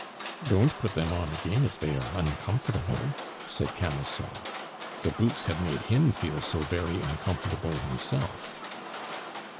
"Don't put them on again if they are uncomfortable," said Camusot. (The boots had made him feel so very uncomfortable himself.)